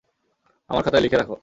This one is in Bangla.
আমার খাতায় লিখে রাখো।